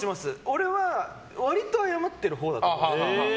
俺は割と謝ってるほうだと思います。